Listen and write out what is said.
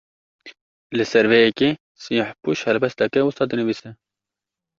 Li ser vê yekê, Siyehpûş helbesteke wisa dinivîse